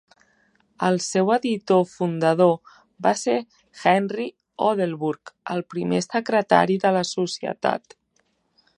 El seu editor fundador va ser Henry Oldenburg, el primer secretari de la societat.